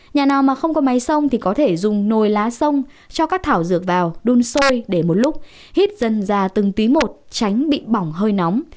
nhà nào mà không có máy sông thì có thể dùng nồi lá sông cho các thảo dược vào đun sôi để một lúc hít dần ra từng tí một tránh bị bỏng hơi nóng